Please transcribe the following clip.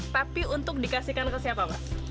tapi untuk dikasihkan ke siapa mas